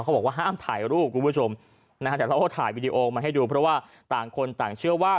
บอกว่าห้ามถ่ายรูปคุณผู้ชมนะฮะแต่เราก็ถ่ายวีดีโอมาให้ดูเพราะว่าต่างคนต่างเชื่อว่า